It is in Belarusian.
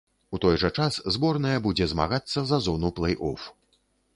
У той жа час зборная будзе змагацца за зону плэй-оф.